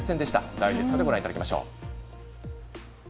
ダイジェストでご覧いただきましょう。